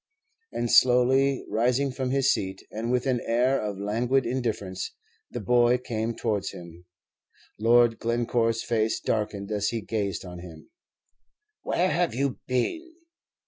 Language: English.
And slowly rising from his seat, and with an air of languid indifference, the boy came towards him. Lord Glencore's face darkened as he gazed on him. "Where have you been?"